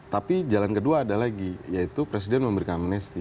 tapi jalan kedua ada lagi yaitu presiden memberikan amnesti